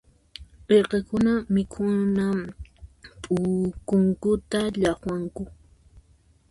Irqikuna mikhuna p'ukunkuta llaqwanku.